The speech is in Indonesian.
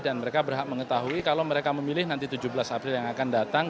dan mereka berhak mengetahui kalau mereka memilih nanti tujuh belas april yang akan datang